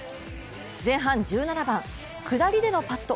前半１７番、下りでのパット。